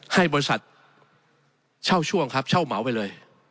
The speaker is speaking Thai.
ให้บริษัทเช่าช่วงครับเช่าเหมาไปเลย